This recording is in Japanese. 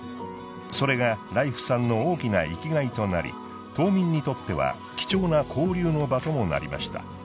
それがライフさんの大きな生きがいとなり島民にとっては貴重な交流の場ともなりました。